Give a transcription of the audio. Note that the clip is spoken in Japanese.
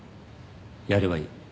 やればいい。